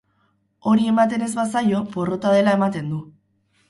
Hori ematen ez bazaio, porrota dela ematen du.